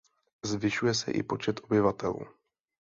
Zvyšuje se i počet obyvatel.